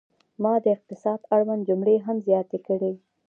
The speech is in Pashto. ما د اقتصاد اړوند جملې هم زیاتې کړې.